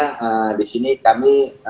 maksudnya disini kami